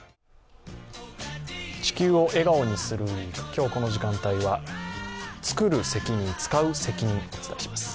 今日この時間帯は「つくる責任つかう責任」をお伝えします。